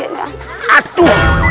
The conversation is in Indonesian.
atuh atuh atuh